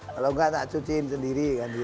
kalau enggak tak cuciin sendiri kan gitu